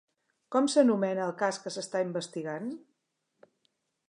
Com s'anomena el cas que s'està investigant?